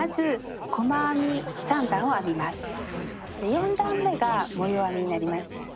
４段めが模様編みになります。